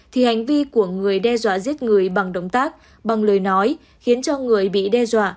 thì hành vi của người đe dọa giết người bằng động tác bằng lời nói khiến cho người bị đe dọa